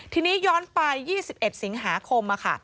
ทีนี้ย้อนไป๒๑สิงหาคมค่ะ